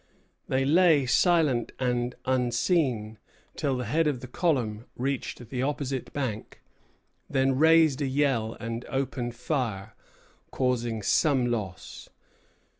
They lay silent and unseen till the head of the column reached the opposite bank; then raised a yell and opened fire, causing some loss.